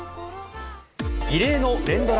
異例の連ドラ